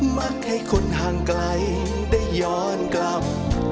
มักให้คนห่างไกลได้ย้อนกลับ